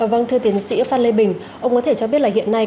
vâng thưa tiến sĩ phan lê bình ông có thể cho biết là hiện nay